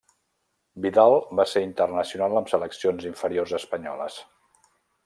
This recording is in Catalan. Vidal va ser internacional amb seleccions inferiors espanyoles.